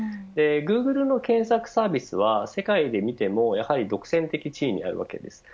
グーグルの検索サービスは世界で見ても独占的地位にあるわけです。